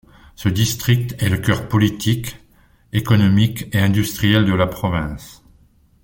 Ce district est le cœur politique, économique et industriel de la province.